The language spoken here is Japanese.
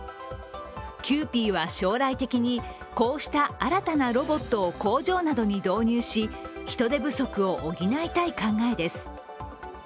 キユーピーは将来的にこうした新たなロボットを工場などに導入し人手不足を補いたい考えです。